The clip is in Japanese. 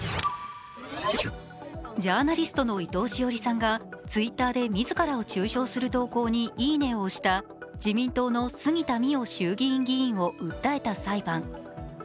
ジャーナリストの伊藤詩織さんがＴｗｉｔｔｅｒで自らを中傷する投稿に「いいね」を押した自民党の杉田水脈衆議院議員を訴えた裁判。